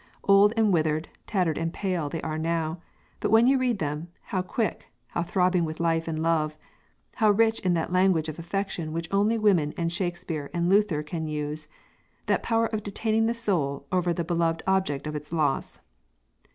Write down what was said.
Old and withered, tattered and pale, they are now: but when you read them, how quick, how throbbing with life and love! how rich in that language of affection which only women and Shakespeare and Luther can use, that power of detaining the soul over the beloved object and its loss....